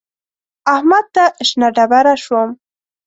احمد ته شنه ډبره شوم.